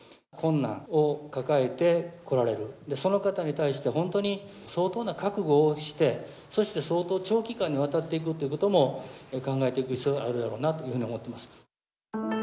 困難を抱えて来られる、その方に対して本当に相当な覚悟をして、そして相当長期間にわたっていくということも、考えていく必要があるだろうなというふうに思ってます。